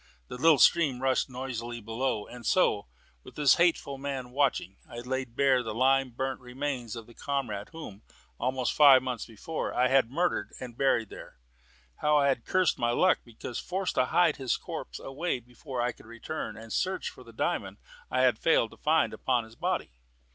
The little stream rushed noisily below. And so, with this hateful man watching, I laid bare the lime burnt remains of the comrade whom, almost five months before, I had murdered and buried there. How I had then cursed my luck because forced to hide his corpse away before I could return and search for the diamond I had failed to find upon his body!